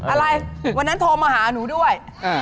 อะไรวันนั้นโทรมาหาหนูด้วย